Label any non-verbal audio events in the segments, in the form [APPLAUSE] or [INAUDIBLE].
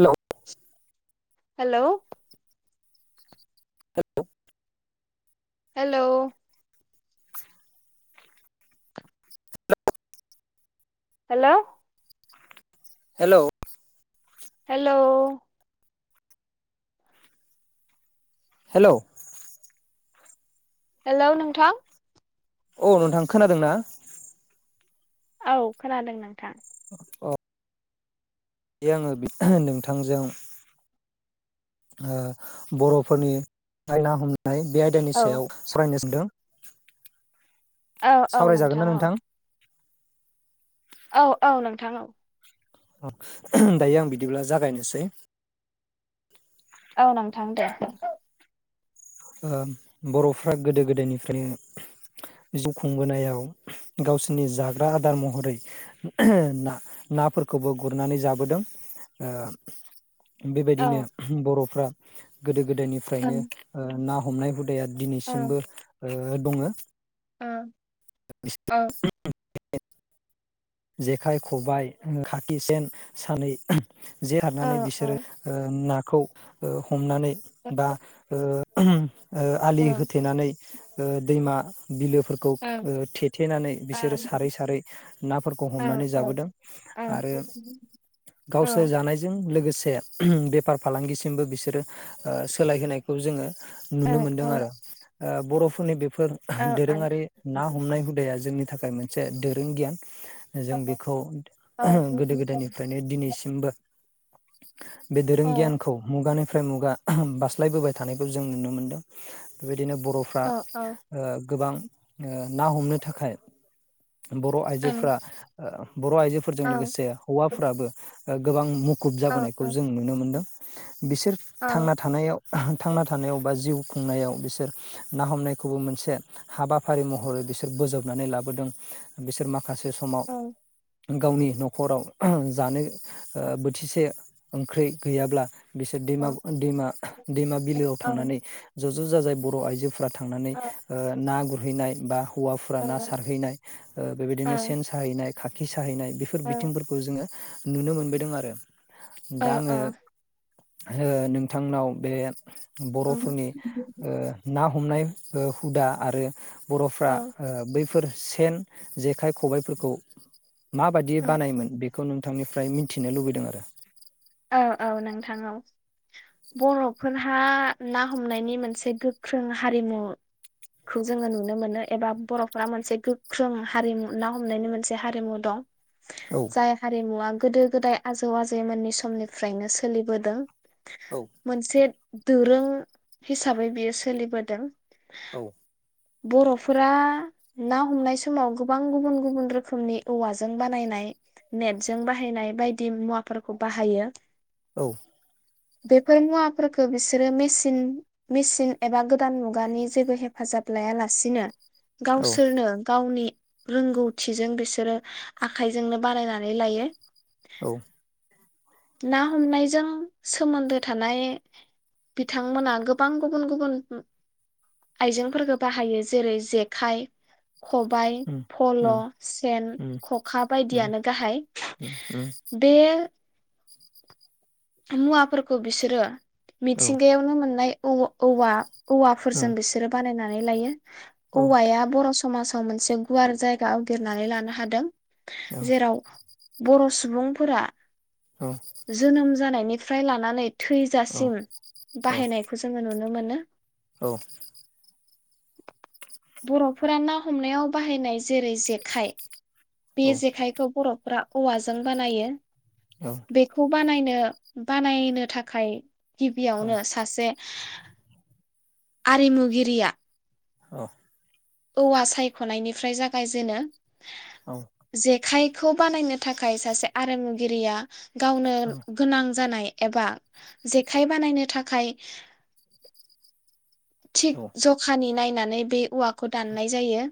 हेल' hello [INAUDIBLE] hello hello hello hello hello hello नोंथां औ नोंथां खोनादों ना? औ खोनादों नोंथां। अ यो आङो नोंथांजों ओ बर'फोरनि नायना हम नाय बे आयदानि औ सायाव सावरायनो सानदों औ औ सावरायजागोन ना नोंथां औ औ औ नोंथां औ दायो आं बिदिब्ला जागायनोसै औ नोंथां दे ओ बर'फ्रा गोदो गोदायनिफ्रायनो जिउ खुंबोनायाव गावसोरनि जाग्रा आदार महरै ना नाफोरखौबो गुरनानै जाबोदों ओ बेबायदिनो औ बर'फ्रा गोदो गोदोनिफ्रायनो ओं ना हमनाय हुदाया औ दिनैसिमबो ओ दंङ ओ ओ जेखाइ खबाइ खाखिसेेन सानै जे औ हाबनानै बिसोरो औ ओ ना खौ ओ हमनानै बा ओ उम ओ आलि ओं होथेनानै ओ दैमा बिलोफोरखौ ओं ओ थे-थेनानै बिसोरो सारै सारै नाफोरखौ खौ औ हमनानै औ जाबोदों ओं आरो औ गावसोर ओं जानायजों लोगोसे से बेफार फालांगिसिमबो बिसोरो ओ सोलायहोनायखौ जोङो ओं औ ओं नुनो औ मोनदों आरो ओ बर'फोरनि बे फोर औ ओं दोरोङारि ना हमनाय हुदाया जोंनि थाखाय मोनसे दोरों गियान जों बेखौ औ गोदो गोदायनिफ्रायनो दिनैसिमबो बे दोरों गियानखौ मुगानि फ्राय मुगा बास्लायबोबाय थानायखौ जों नुनो मोनदों बेबायदि बिदिनो बर'फ्रा ओ गोबां ओ ना हमनो थाखाय बर' आइजोफोरा बर' आइजोफोरजों लोगोसे हौवाफोराबो ओ गोबां मुख गुब जाबोनायखौ जों नुनो मोनदों बिसोर थांना थानायाव थांना थानायाव बा जिउ खुंनायाव बिसोर ना हमनायखौबो मोनसे हाबाफारि महरै बिसोर बोजबनानै लाबोदों बिसोर मा माखासे समाव गावनि न'खराव जानो ओ बोथिसे ओंख्रि गैयाब्ला बिसोर दैमा औ दैमा दैमा बिलोआव औ औ थांनानै ज'ज' जाजाय बर' आइजो थांनानै औ ओ ना गुर गुरहैनाय बा हौवाफोरा ना सारहैनाय ओ बेबायदिनो सेन साहैनाय काकिस थाहैनाय बेफोर बिथिंफोरखौ जोङो। नुनो मोनबोदों आरो दा आङो। नोंथांनाव बे बर'फोरनि ओ ना हमनाय ओ हुदा आरो बर'फ्रा ओ बैफोर सेन जेखाइ खबायफोरखौ [INAUDIBLE] माबायदि बानायोमोन बेखौ नोंथांनि ओमफ्राय मिनथिनो लुबैदों आरो औ औ नोंथां ओव बर'फोरहा ना हमनायनि मोनसे गोख्रों हारिमुखौ जोङो नुनो मोनो एबा बर'फोरा मोनसे गोख्रों हारिमु ना हमनायनि मोनसे हारिमु दं औ जाय हारिमुवा गोदो गोदाय आजौ आजै मोननि सम समनिफ्रायनो सोलिबोदों। औ मोनसे दोरों हिसाबै बियो सोलिबोदों। औ बर'फोरा ना हमनाय समाव गोबां गुबुन गुबुन रोखोमनि औवाजों बानायनाय नेटजों बाहायनाय बायदि मुवाफोरखौ बाहायो। औ बेफोर मुवाफोरखौ बिसोरो मेसिन मेसिन एबा गोदान मुगानि जेबो हेफाजाब लायालासिनो। गावसोरनो गावनि रोंगौथिजों बिसोरो आखाइजोंनो बानायनानै लायो। औ ना हमनायजों सोमोन्दो थानाय बिथांमोना गोबां गुबुन गुबुन आइजेंफोरफोरखौ बाहायो जेरै जेखाइ खबायाइ उम फल' उम सेन उम खखा उम बायदियानो गाहाय उम बे मुवाफोरखौ बिसोरो मिथिंगायावनो मोननाय। औ-औवा औवाफोरजों उम बिसोरो बानायना लायो। औ औवाया बर' समाजाव मोनसे गुवार जायगा आवगिरनानै लानो हादों जेराव बर' सुबुंफोरा औ जोनोम जानायनिफ्राय लानानै औ थैजासिम बाहायनायखौ जोङो नुनो नुनो मोनो। औ। बर'फोरा ना हमनायाव बाहायनाय जेरै जेखाइ बे औ जेखाइखौ बर' फ्रा औवाजों बानायो औ बेखौ बानायनो बानायनो थाखाय गिबियावनो सासे‌ आरिमुगिरिया औ। औवा सायख'नायनिफ्राय जागायजेनो औ। खाइखौ बानायनो थाखाय सासे आरिमुगिरिया गावनो गोनां जानाय। एबा जेखाइ बानायनो थाखाय थिक जखानि नाय नानै बे औवा। खौ दाननाय जायो।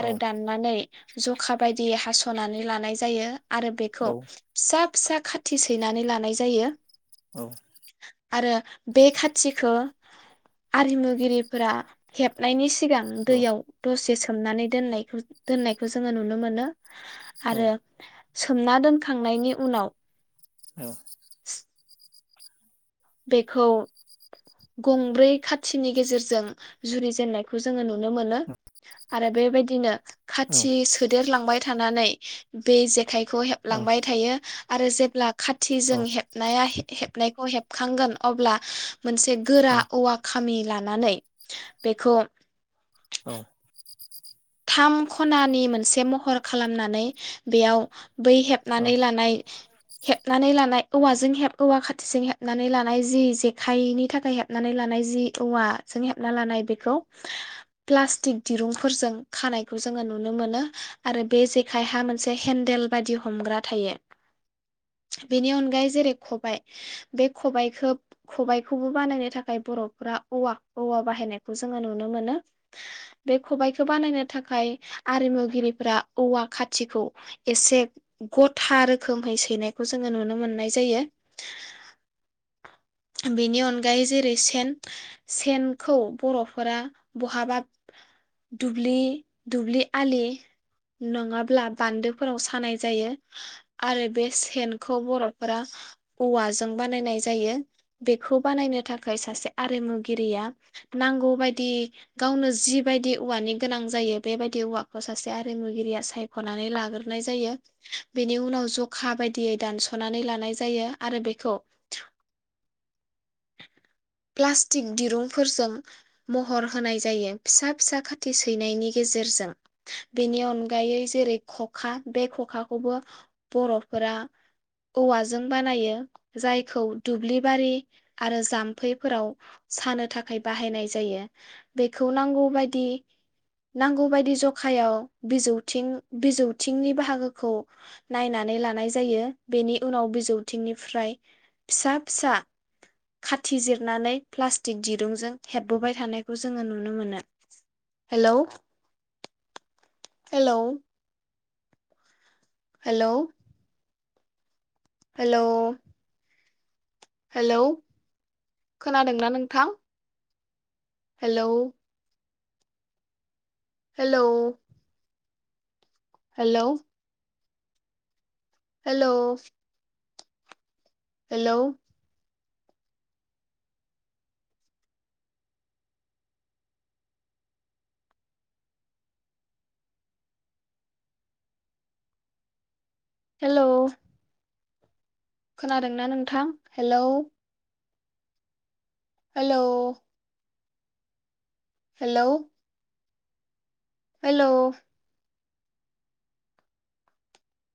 आरो दाननानै जखा बायदियै हास'नानै लानाय जायो। आरो बेखौ फिसा। फिसा खाथि सैनानै लानाय जायो। औ। आरो बे खाथिखौ आरिमुगिरिफोरा हेबनायनि सिगां दैयाव दसे सो मनानै दोननाय दोननायखौ जोङो नुनो मोनो। आरो। सोमना दोनखांनायनि उनाव औ बेखौ गंब्रै खाथिनि गेजेरजों जुरिजेननायखौ जोङो नुनो मोनो आरो बेबायदिनो खाथि सोदेरलांबाय थानानै बे जेखाय खौ हेबलांबाय थायो आरो जेब्ला खाथिजों हेबनाया हेबनायखौ हेब खांगोन अब्ला मोनसे औ गोरा औवा खा खामि लानानै बेखौ औ थाम खनानि मोनसे महर खालामनानै बेयाव बै हेबनानै औ लानाय हेबनानै लानाय औवाजों औवा खाथिजों हेबनानै लानाय जि जेखाइनि थाखाय हेबनानै लानाय जि औवाजों हेबना लानाय बेखौ प्लास्टिक दिरुंफोरजों खानायखौ जोङो नुनो मोनो आरो बे जेखायहा मोनसे हेन्देल बायदि हमग्रा थायो बेनि अनगायै जेरै खबाय बे खबाइखौ खबाइखौबो बानायनो थाखाय बर'फोरा औवा औवा बाहायनायखौ जोङो नुनो मोनो बे खबाइखौ बानायनो थाखाय आरिमुगिरिफोरा औवा खाथिखौ एसे गथा रोखोमहै सैनायखौ जोङो नुनो मोननाय जायो बेनि अनगायै जेरै सेन सेनखौ बर'फोरा बहाबा दुब्लि दुब्लि आलि नङाब्ला बान्दोफोराव सानाय जायो आरो बे सेनखौ बर'फोरा औवाजों बानायनाय जायो बेखौ बानायनो थाखाय सासे आरिमुगिरिया नांगौ बायदि गावनो जिबायायदि औवानि गोनां जायो बेबायदि औवाखौ सासे आरिमुगिरिया सायख'नानै लाग्रोनाय जायो बेनि उनाव जखा बायदियै दानस'नानै लानाय जायो आरो बेखौ प्लास्टिक दिरुंफोरजों महर होनाय जायो फिसा फिसा खाथि सैनायनि गेजेरजों बेनि अनगायै जेरै खखा बे खखाखौबो बर'फोरा औवाजों बानायो जायखौ दुब्लिबारि आरो जाम्फैफोराव सानो थाखाय बाहायनाय जायो बेखौ नांगौबायायदि नांगौ बायदि जखायाव बिजौथिं बिजौथिंनि बाहागोखौ नायनानै लानाय जायो बेनि उनाव बिजौथिंनिफ्राय फिसा फिसा खाथिजिरनानै प्लास्टिक दिरुंजों हेबबोबाय थानायखौ जोङो नुनो मोनो hello hello hello hello hello खोनादोंना नोंथां hello hello hello hello hello hello खोनादोंना नोंथां हेलौ हेलौ हेलौ हेलौ